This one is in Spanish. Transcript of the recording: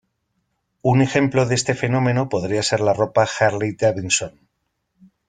Un ejemplo de este fenómeno podría ser la ropa Harley-Davidson.